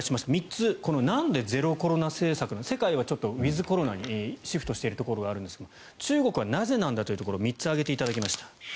３つ、なんでゼロコロナ政策世界はウィズコロナにシフトしているところがあるんですが中国はなぜなんだというところ３つ挙げていただきました。